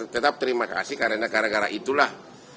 tetap terima kasih karena gara gara itulah